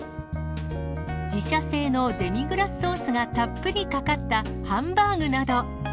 自社製のデミグラスソースがたっぷりかかったハンバーグなど。